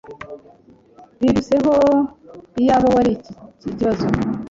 biruseho Iyaba wari iki kibazo